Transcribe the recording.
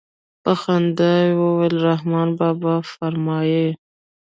په خندا يې وويل رحمان بابا فرمايي.